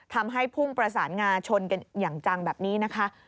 ทำให้พุ่งประสานงาชนกันอย่างจังแบบนี้นะคะ